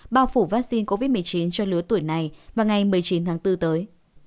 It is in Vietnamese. bao phủ vaccine covid một mươi chín cho lứa tuổi này vào ngày một mươi chín tháng bốn tới